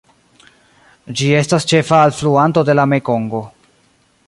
Ĝi estas ĉefa alfluanto de la Mekongo.